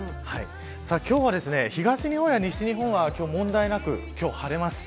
今日は東日本や西日本は問題なく晴れます。